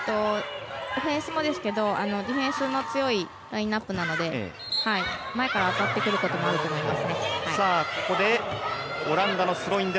オフェンスもですけどディフェンスの強いラインアップなので前から上がってくることもあると思います。